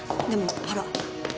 でもほら。